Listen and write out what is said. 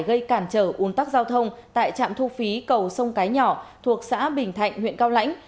gây cản trở uống tắc giao thông tại trạm thu phí cầu sông cái nhỏ thuộc xã bình thạnh huyện cao lãnh